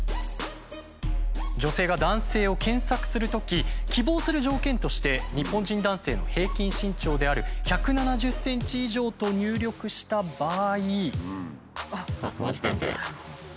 女性が男性を検索するとき希望する条件として日本人男性の平均身長である１７０ｃｍ以上と入力した場合。